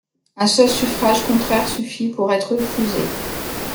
Un seul suffrage contraire suffit pour être refusé.